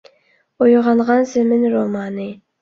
«ئويغانغان زېمىن» رومانى